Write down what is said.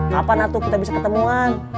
kapan atuh kita bisa ketemuan